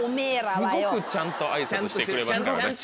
すごくちゃんと挨拶してくれますからね。